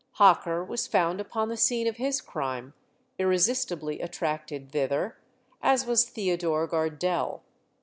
Hocker was found upon the scene of his crime, irresistibly attracted thither, as was Theodore Gardelle.